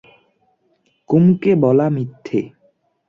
কুমুকে বলা মিথ্যে।